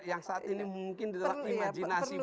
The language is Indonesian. yang saat ini mungkin di dalam imajinasi